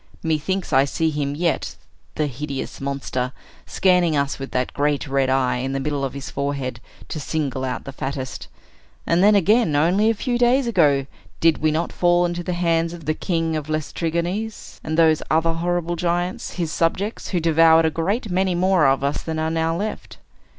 Methinks I see him yet, the hideous monster, scanning us with that great red eye, in the middle of his forehead, to single out the fattest. And then, again, only a few days ago, did we not fall into the hands of the king of the Laestrygons, and those other horrible giants, his subjects, who devoured a great many more of us than are now left?